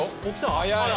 早い！